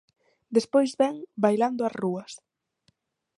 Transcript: Despois vén 'Bailando as rúas'.